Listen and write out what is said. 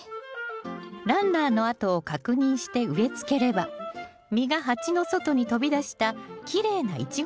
ランナーの跡を確認して植えつければ実が鉢の外に飛び出したきれいなイチゴタワーができます。